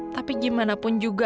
tapi gimana pun juga